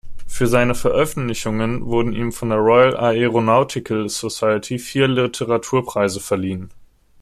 Für seine Veröffentlichungen wurden ihm von der Royal Aeronautical Society vier Literatur-Preise verliehen.